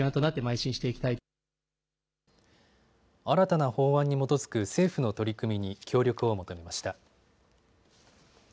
新たな法案に基づく政府の取り組みに協力を求めました。